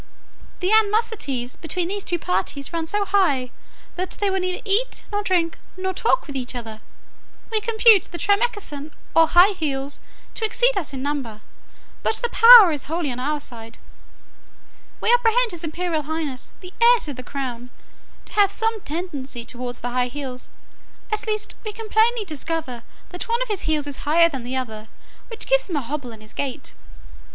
The animosities between these two parties run so high, that they will neither eat, nor drink, nor talk with each other. We compute the Tramecksan, or high heels, to exceed us in number; but the power is wholly on our side. We apprehend his imperial highness, the heir to the crown, to have some tendency towards the high heels; at least we can plainly discover that one of his heels is higher than the other, which gives him a hobble in his gait.